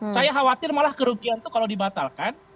saya khawatir malah kerugian itu kalau dibatalkan